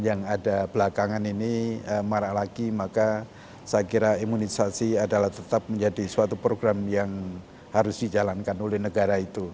yang ada belakangan ini marah lagi maka saya kira imunisasi adalah tetap menjadi suatu program yang harus dijalankan oleh negara itu